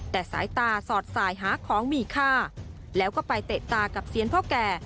แต่สายตาสอดสายหาของมีค่าแล้วก็ไปเตะตากับเซียนพ่อแก่